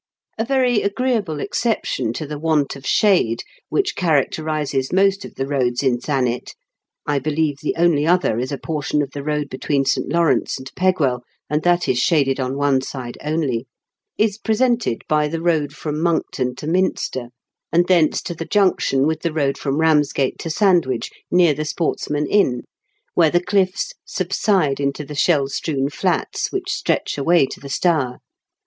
A very agreeable ex ception to tbe want of sbade wbicb cbarac terises most of tbe roads in Tbanet (I believe tbe only otber is a portion of tbe road between St. Lawrence and Pegwell, and tbat is sbaded on one side only), is presented by tbe road END OF TEE PILGBIMAGE. 311 from Monk ton to Minster, and thence to the junction with the road from Eamsgate to Sandwich, near The Sportsman Inn, where the cliffs subside into the shell strewn flats which stretch away to the Stour.